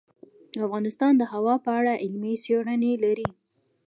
افغانستان د هوا په اړه علمي څېړنې لري.